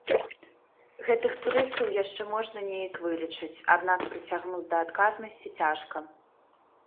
Гэтых турыстаў яшчэ можна неяк вылічыць, аднак прыцягнуць да адказнасці цяжка.